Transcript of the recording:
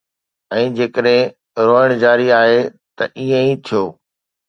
۽ جيڪڏهن روئڻ جاري آهي، ته ائين ئي ٿيو.